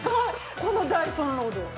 このダイソンロード。